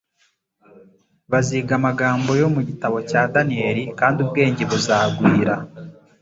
baziga amagambo yo mu gitabo cya Danieli kandi ubwenge buzagwira."